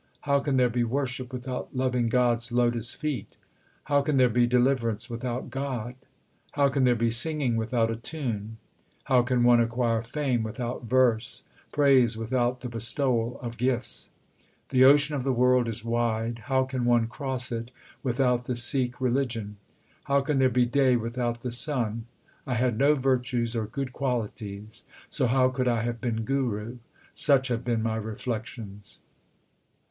How can there be worship without loving God s lotus feet ? How can there be deliverance without God ? How can there be singing without a tune ? How can one acquire fame without verse, praise without the bestowal of gifts ? The ocean of the world is wide : how can one cross it without the Sikh religion ? How can there be day without the sun ? I had no virtues or good qualities, so how could I have been Guru ? Such have been my reflections.